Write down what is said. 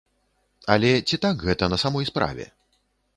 Але ці так гэта на самой справе?